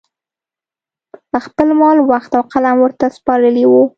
خپل مال، وخت او قلم ورته سپارلي وو